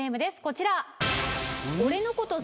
こちら。